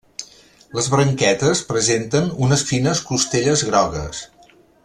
Les branquetes presenten unes fines costelles grogues.